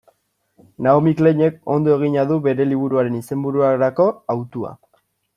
Naomi Kleinek ondo egina du bere liburuaren izenbururako hautua.